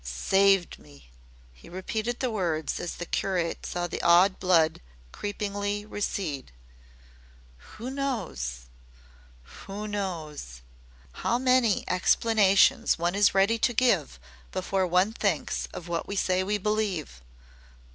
"SAVED ME!" he repeated the words as the curate saw the awed blood creepingly recede. "Who knows, who knows! How many explanations one is ready to give before one thinks of what we say we believe.